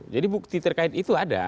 jadi bukti terkait itu ada